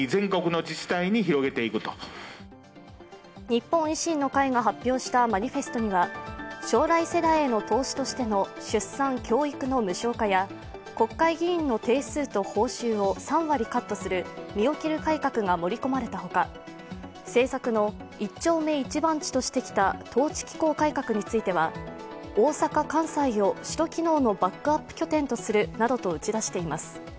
日本維新の会が発表したマニフェストには将来世代への投資としての出産・教育の無償化や国会議員の定数と報酬を３割カットする身を切る改革が盛り込まれたほか、政策の一丁目一番地としてきた統治機構改革については大阪・関西を首都機能のバックアップ拠点とするなどと打ち出しています。